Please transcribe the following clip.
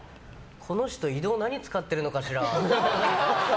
この人、移動何使ってるのかしらって。